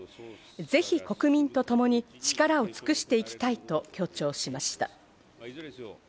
ぜひ国民とともに力を尽くしていきたいと強調しました。